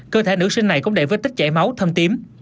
cơ thể nữ sinh này cũng đầy vết tích chảy máu thâm tím